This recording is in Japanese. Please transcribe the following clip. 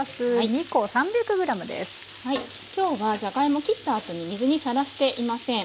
今日はじゃがいも切ったあとに水にさらしていません。